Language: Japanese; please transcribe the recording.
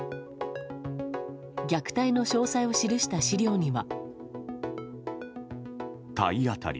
虐待の詳細を記した資料には。